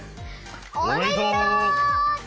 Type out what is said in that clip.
おめでとう！